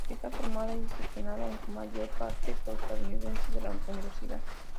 Está formada y gestionada en su mayor parte por estudiantes de la Universidad.